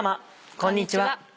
こんにちは。